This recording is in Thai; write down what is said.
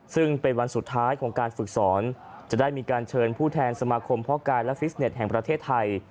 ซึ่งเป็นวันสุดท้ายของการฝึกสอนจะได้มีการเชิญผู้แทนสมาคมพ่อกายและฟิสเน็ตแห่งประเทศไทย